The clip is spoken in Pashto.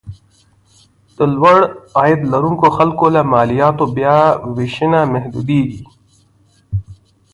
د لوړ عاید لرونکو خلکو له مالیاتو بیاوېشنه محدودېږي.